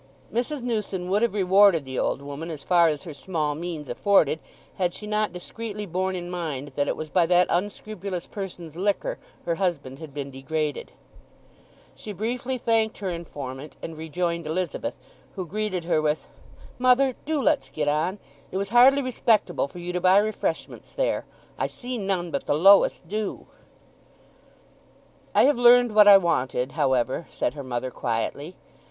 Mrs. Newson would have rewarded the old woman as far as her small means afforded had she not discreetly borne in mind that it was by that unscrupulous person's liquor her husband had been degraded. She briefly thanked her informant, and rejoined Elizabeth, who greeted her with, "Mother, do let's get on—it was hardly respectable for you to buy refreshments there. I see none but the lowest do." "I have learned what I wanted, however," said her mother quietly.